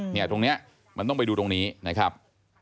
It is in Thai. เนี่ยตรงนี้มันต้องไปดูตรงนี้นะครับ